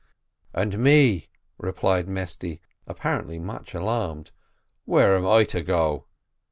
"And me," replied Mesty, apparently much alarmed, "where am I to go?"